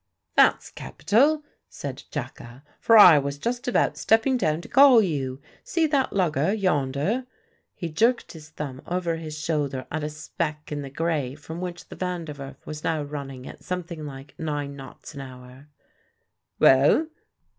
"That's capital," says Jacka, "for I was just about stepping down to call you. See that lugger, yonder?" He jerked his thumb over his shoulder at a speck in the grey from which the Van der Werf was now running at something like nine knots an hour. "Well?"